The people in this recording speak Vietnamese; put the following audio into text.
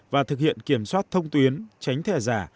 và thực hiện kiểm soát thông tuyến tránh thẻ giả